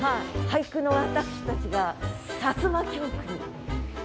俳句の私たちがさつま狂句に。